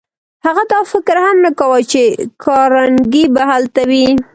هغه دا فکر هم نه کاوه چې کارنګي به هلته وي.